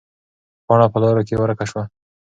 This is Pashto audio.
پاڼه په لارو کې ورکه شوه.